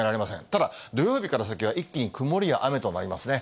ただ土曜日から先は、一気に曇りや雨となりますね。